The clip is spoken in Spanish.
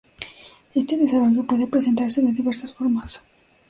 Este desarrollo puede presentarse de diversas formas.